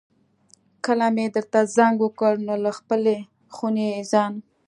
کله مې درته زنګ وکړ نو له خپلې خونې ځان.